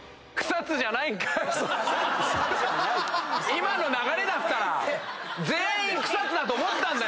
今の流れだったら全員草津だと思ったんだよ！